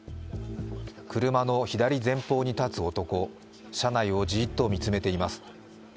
車の左前方に立つ男、車内をじーっと見つめています。